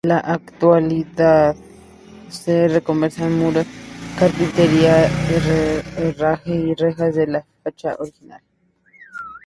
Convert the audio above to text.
En la actualidad se conservan muros, carpinterías, herrajes y rejas de la fachada originales.